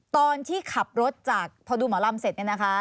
ตอนที่ขับรถจากพอดูหมอลำเสร็จเนี่ยนะคะ